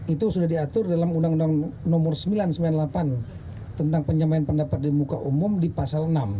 itu sudah diatur dalam undang undang nomor sembilan ratus sembilan puluh delapan tentang penyampaian pendapat di muka umum di pasal enam